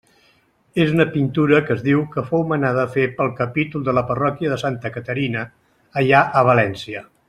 És una pintura que es diu que fou manada fer pel capítol de la parròquia de Santa Caterina, allà a València.